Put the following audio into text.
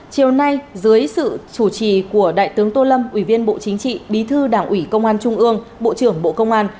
chiều nay dưới sự chủ trì của đại tướng tô lâm ủy viên bộ chính trị bí thư đảng ủy công an trung ương bộ trưởng bộ công an